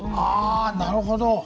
あなるほど！